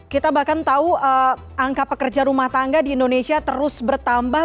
kita bahkan tahu angka pekerja rumah tangga di indonesia terus bertambah